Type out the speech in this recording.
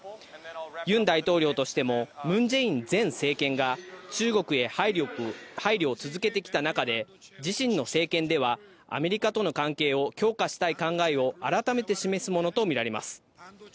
ユン大統領としてもムン・ジェイン前政権が中国へ配慮を続けてきた中で自身の政権ではアメリカとの関係を強化したい考えは改めて示すものとみられます。